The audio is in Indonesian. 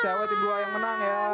cewek tim dua yang menang ya